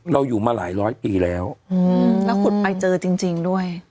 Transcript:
เราอยู่มาหลายร้อยปีแล้วแล้วขุดไปเจอจริงด้วย